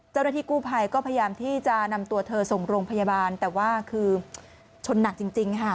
เจ้าหน้าที่กู้ภัยก็พยายามที่จะนำตัวเธอส่งโรงพยาบาลแต่ว่าคือชนหนักจริงค่ะ